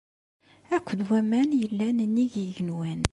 Akked waman yellan nnig yigenwan!